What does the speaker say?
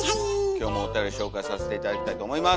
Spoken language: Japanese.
今日もおたより紹介させて頂きたいと思います。